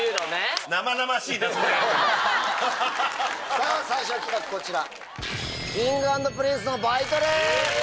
さぁ最初の企画こちら。